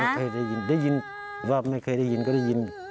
เคยได้ยินได้ยินว่าไม่เคยได้ยินก็ได้ยิน